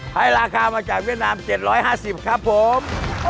ราคามาจากเวียดนาม๗๕๐ครับผม